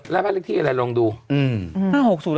แล้วบ้านเลขที่อะไรลองดู